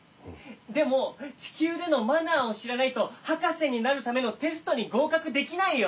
でもちきゅうでのマナーをしらないとはかせになるためのテストにごうかくできないよ。